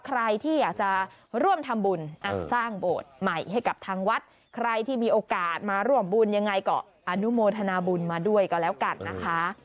ใครที่อยากจะร่วมทำบุญสร้างโบสถ์ใหม่ให้กับทางวัดใครที่มีโอกาสมาร่วมบุญยังไงก็อนุโมทนาบุญมาด้วยก็แล้วกันนะคะ